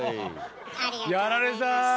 やられた！